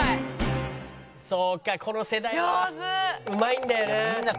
「そうかこの世代はうまいんだよな」